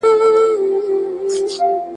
هغه د خپل تیزس لپاره کتابتون ته ولاړ.